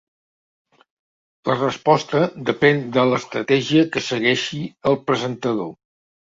La resposta depèn de l'estratègia que segueixi el presentador.